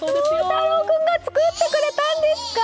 菖太郎君が作ってくれたんですか。